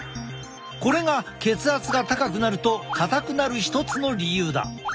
これが血圧が高くなると硬くなる一つの理由だ。